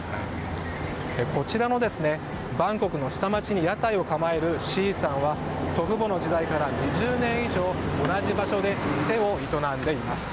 こちらのバンコクの下町に屋台を構えるシーさんは祖父母の時代から２０年以上同じ場所で店を営んでいます。